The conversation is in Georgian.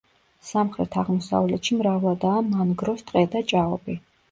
სამხრეთ-აღმოსავლეთში მრავლადაა მანგროს ტყე და ჭაობი.